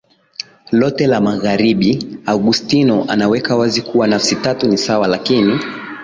lote la Magharibi Augustino anaweka wazi kuwa Nafsi tatu ni sawa lakini